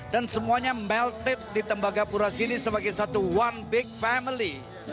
dan semuanya melted di tembaga pura sini sebagai satu one big family